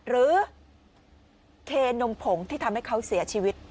เคนมผงที่ทำให้เขาเสียชีวิต